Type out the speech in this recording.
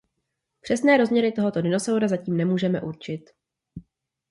Přesné rozměry tohoto dinosaura zatím nemůžeme určit.